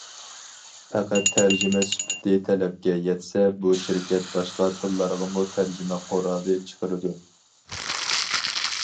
پەقەت تەرجىمە سۈپىتى تەلەپكە يەتسە، بۇ شىركەت باشقا تىللارغىمۇ تەرجىمە قورالى چىقىرىدۇ.